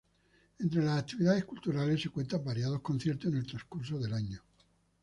Entre las actividades culturales se cuentan variados conciertos en el transcurso del año.